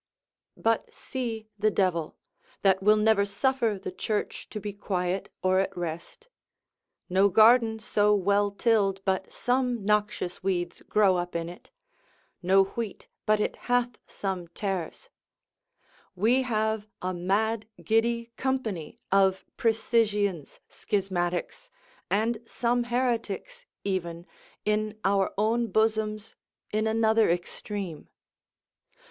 But see the devil, that will never suffer the Church to be quiet or at rest: no garden so well tilled but some noxious weeds grow up in it, no wheat but it hath some tares: we have a mad giddy company of precisians, schismatics, and some heretics, even, in our own bosoms in another extreme.